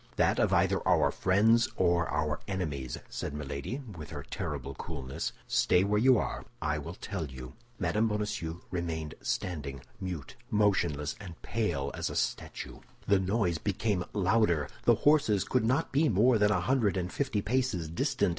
"That of either our friends or our enemies," said Milady, with her terrible coolness. "Stay where you are, I will tell you." Mme. Bonacieux remained standing, mute, motionless, and pale as a statue. The noise became louder; the horses could not be more than a hundred and fifty paces distant.